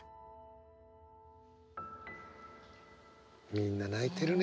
みんな泣いてるね。